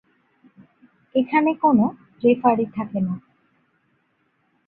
এখানে কোন রেফারি থাকে না।